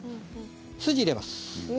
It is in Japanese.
筋入れます。